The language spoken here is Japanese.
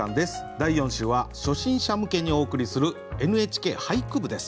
第４週は初心者向けにお送りする「ＮＨＫ俳句部」です。